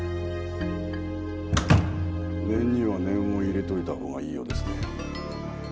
念には念を入れといたほうがいいようですね。